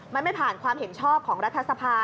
มันไม่ผ่านความเห็นชอบของรัฐสภา